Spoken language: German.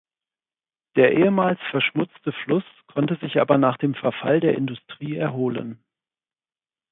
Der ehemals verschmutzte Fluss konnte sich aber nach dem Verfall der Industrie erholen.